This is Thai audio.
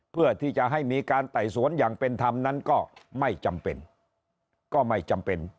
เพื่อที่จะให้มีการไต่สวนอย่างเป็นธรรมนั้นก็ไม่จำเป็นก็ไม่จำเป็น